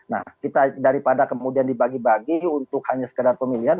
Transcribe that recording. nah kita daripada kemudian dibagi bagi untuk hanya sekedar pemilihan